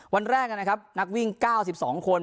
วันแรกนะครับนักวิ่ง๙๒คน